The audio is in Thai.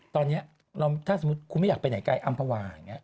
ตอนนี้ถ้าสมมุติคุณไม่อยากไปไหนไกลอำภาวาอย่างนี้